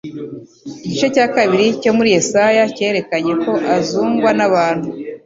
Igice cya kabiri cyo muri Yesaya cyerekanye ko azangwa n'abantu,